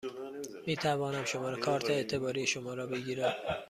می توانم شماره کارت اعتباری شما را بگیرم؟